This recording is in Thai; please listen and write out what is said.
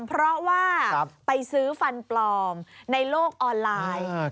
เพราะว่าไปซื้อฟันปลอมในโลกออนไลน์